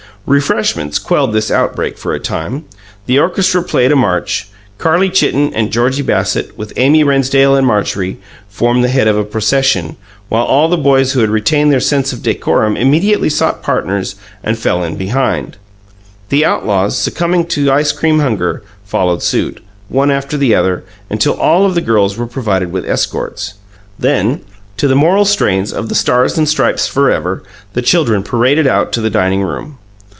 Refreshments quelled this outbreak for a time. The orchestra played a march; Carlie Chitten and Georgie Bassett, with Amy Rennsdale and Marjorie, formed the head of a procession, while all the boys who had retained their sense of decorum immediately sought partners and fell in behind. The outlaws, succumbing to ice cream hunger, followed suit, one after the other, until all of the girls were provided with escorts. Then, to the moral strains of "The Stars and Stripes Forever", the children paraded out to the dining room.